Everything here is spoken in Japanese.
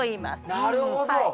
なるほど。